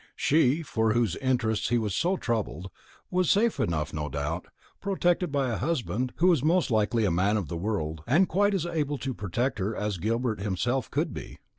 She, for whose interests he was so troubled, was safe enough no doubt, protected by a husband, who was most likely a man of the world, and quite as able to protect her as Gilbert himself could be.